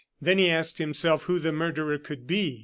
Then he asked himself who the murderer could be.